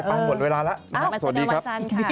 ไปหมดเวลาแล้วสวัสดีครับ